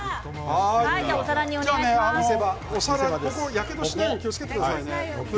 やけどしないように気をつけてください。